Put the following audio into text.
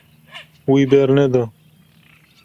Wî berneda.